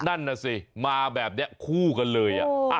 นั่นน่ะสิมาแบบนี้คู่กันเลย